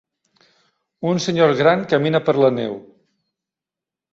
Un senyor gran camina per la neu.